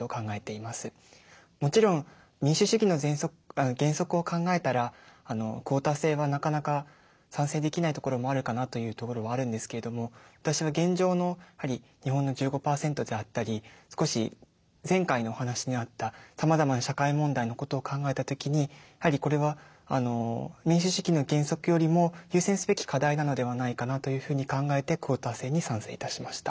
もちろん民主主義の原則を考えたらクオータ制はなかなか賛成できないところもあるかなというところはあるんですけれども私は現状の日本の１５％であったり少し前回のお話にあったさまざまな社会問題のことを考えた時にやはりこれは民主主義の原則よりも優先すべき課題なのではないかなというふうに考えてクオータ制に賛成いたしました。